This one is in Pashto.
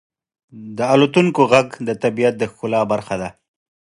• د الوتونکو ږغ د طبیعت د ښکلا برخه ده.